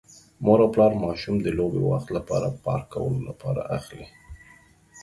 مور او پلار ماشوم د لوبې وخت لپاره پارک کولو لپاره اخلي.